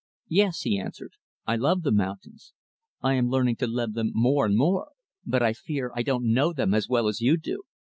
"Yes," he answered, "I love the mountains. I am learning to love them more and more. But I fear I don't know them as well as you do."